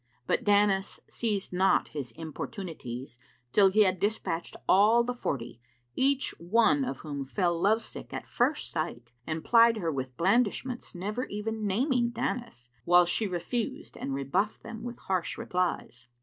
But Danis ceased not his importunities till he had dispatched all the forty, each one of whom fell love sick at first sight and plied her with blandishments never even naming Danis; whilst she refused and rebuffed them with harsh replies.